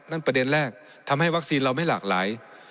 ประเด็นแรกทำให้วัคซีนเราไม่หลากหลาย